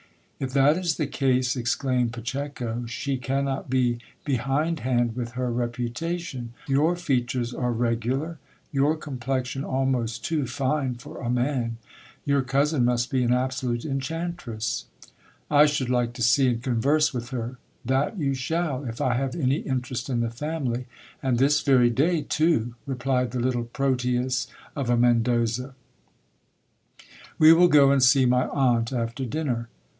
If that is the case, exclaimed Pacheco, she cannot be behindhand with her reputa tion. Vour features are regular, your complexion almost too fine for a man ; y jur cousin must be an absolute enchantress. I should like to see and converse with her. That you shall, if I have any interest in the family, and this very day j too, replied the little Troteus of a Mendoza. We will go and see my aunt after dinner.